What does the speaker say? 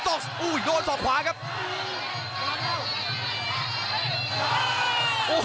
โอ้โหโอ้โหโอ้โหโอ้โหโอ้โหโอ้โหโอ้โหโอ้โหโอ้โหโอ้โห